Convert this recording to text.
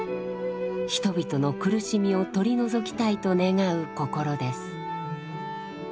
人々の苦しみを取り除きたいと願う心です。